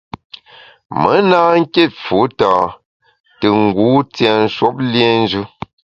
Me na kit fu tâ te ngu tienshwuop liénjù.